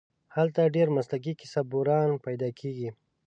هلته ډېر مسلکي کیسه بُران پیدا کېږي.